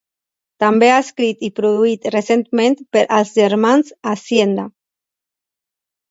També ha escrit i produït recentment per als germans Hacienda.